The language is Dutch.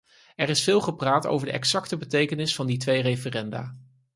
Er is veel gepraat over de exacte betekenis van die twee referenda.